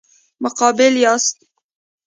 مقابل یاست.